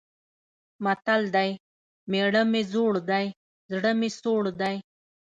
متل دی: مېړه مې زوړ دی، زړه مې سوړ دی.